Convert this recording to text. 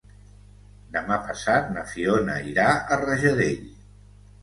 Demà passat na Fiona irà a Rajadell.